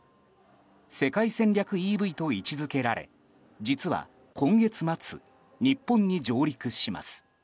世界戦略ＥＶと位置付けられ実は今月末日本に上陸します。